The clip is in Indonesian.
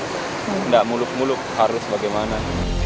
tidak muluk muluk harus bagaimana